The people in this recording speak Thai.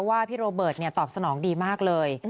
พี่โรเบิร์ตตอบสนองดีมากเลย